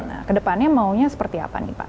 nah ke depannya maunya seperti apa nih pak